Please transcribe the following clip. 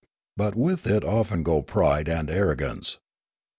But with it often go pride and arro gance.